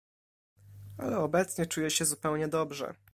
"Ale obecnie czuję się zupełnie dobrze."